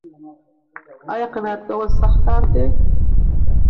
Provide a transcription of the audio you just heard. ایا قناعت کول سخت کار دی؟